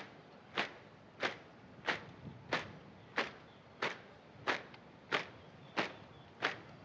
laporan komandan upacara kepada inspektur upacara